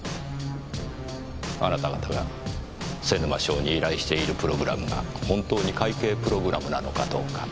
あなた方が瀬沼翔に依頼しているプログラムが本当に会計プログラムなのかどうか。